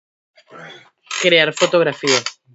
Crear fotografías.